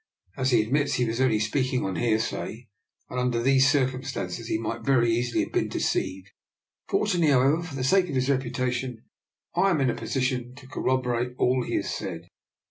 As he admits, he was only speak ing on hearsay, and under these circum stances he might very easily have been de ceived. Fortunately, however, for the sake of his reputation I am in a position to cor roborate all he has said."